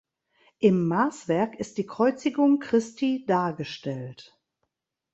Im Maßwerk ist die Kreuzigung Christi dargestellt.